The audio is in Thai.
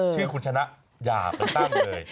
ชื่อคุณชนะอย่าไปตั้งเลย